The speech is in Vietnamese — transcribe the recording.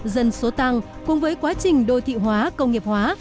dân số tăng cùng với quá trình đô thị hóa công nghiệp hóa